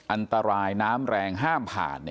อันตรายน้ำแรงห้ามผ่าน